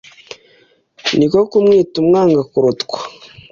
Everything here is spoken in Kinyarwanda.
ni ko kumwita umwanga kurutwa